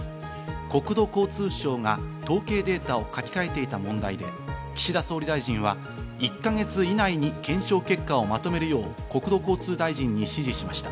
国土交通省が統計データを書き換えていた問題で岸田総理大臣は１か月以内に検証結果をまとめるよう国土交通大臣に指示しました。